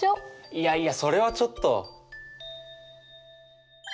いやいやそれはちょっと。